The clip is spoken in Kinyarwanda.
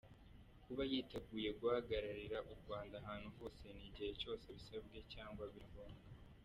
Kuba yiteguye guhagararira u Rwanda ahantu hose n’igihe cyose abisabwe cyangwa biri ngombwa;.